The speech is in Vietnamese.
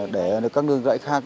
để các nương rẫy khác